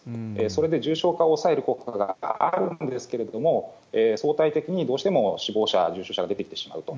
それで重症化を抑える効果があるんですけれども、相対的にどうしても死亡者、重症者が出てきてしまうと。